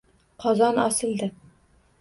Qozon osildi.